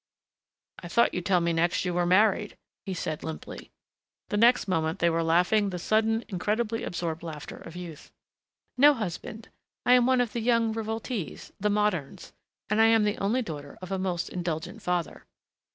"I thought you'd tell me next you were married," he said limply. The next moment they were laughing the sudden, incredibly absorbed laughter of youth. "No husband. I am one of the young revoltées the moderns and I am the only daughter of a most indulgent father."